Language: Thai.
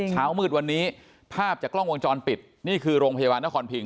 เช้ามืดวันนี้ภาพจากกล้องวงจรปิดนี่คือโรงพยาบาลนครพิง